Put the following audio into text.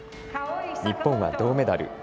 日本は銅メダル。